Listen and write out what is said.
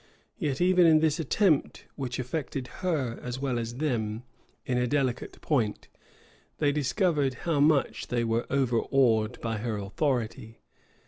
Yet even in this attempt, which affected her, as well as them, in a delicate point, they discovered how much they were overawed by her authority.